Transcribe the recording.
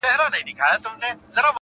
که دي نه وي زده ټول عمر دي تباه دی!.